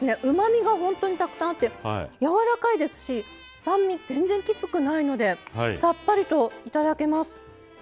うまみがほんとにたくさんあってやわらかいですし酸味全然きつくないのでさっぱりと頂けます。